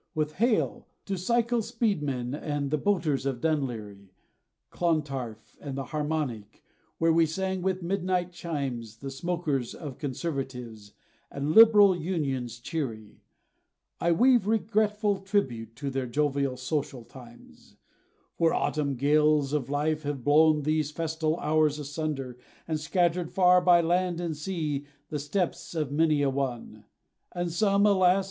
With hail! to Cycle speedmen, and the boaters of Dunleary, Clontarf, and the Harmonic, where we sang with midnight chimes, The smokers of Conservatives, and Liberal Unions cheery, I weave regretful tribute to their jovial social times; For autumn gales of life have blown those festal hours asunder, And scattered far by land and sea, the steps of many a one, And some alas!